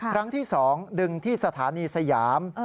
ครั้งที่๒ดึงที่สถานีสยาม